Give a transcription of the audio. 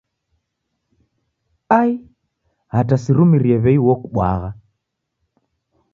Ai hata sirumirie w'ei okubwagha.